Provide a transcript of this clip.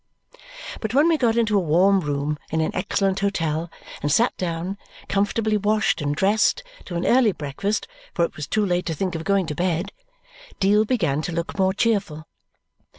But when we got into a warm room in an excellent hotel and sat down, comfortably washed and dressed, to an early breakfast (for it was too late to think of going to bed), Deal began to look more cheerful.